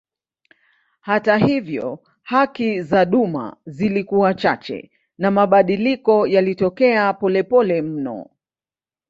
Hata hivyo haki za duma zilikuwa chache na mabadiliko yalitokea polepole mno.